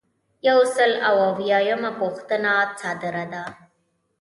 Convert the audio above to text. یو سل او اویایمه پوښتنه صادره ده.